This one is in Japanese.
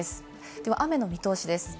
では雨の見通しです。